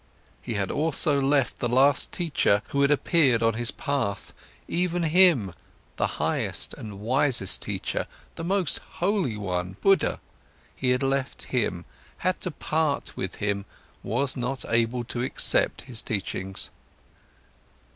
He had also left the last teacher who had appeared on his path, even him, the highest and wisest teacher, the most holy one, Buddha, he had left him, had to part with him, was not able to accept his teachings.